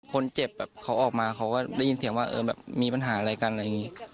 คนเจ็บแบบเขาออกมาเขาก็ได้ยินเสียงว่าเออแบบมีปัญหาอะไรกันอะไรอย่างนี้